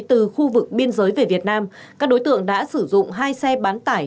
từ khu vực biên giới về việt nam các đối tượng đã sử dụng hai xe bán tải